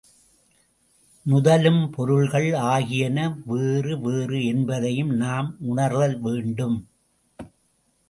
நுதலும் பொருள்கள் ஆகியன வேறு வேறு என்பதையும் நாம் உணர்தல் வேண்டும்.